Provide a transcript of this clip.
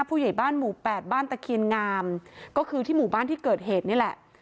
ผู้ใหญ่บ้านหมู่แปดบ้านตะเคียนงามก็คือที่หมู่บ้านที่เกิดเหตุนี่แหละ